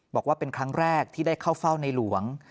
บอกว่าเป็นครั้งแรกที่ได้เข้าเฝ้าในหลวง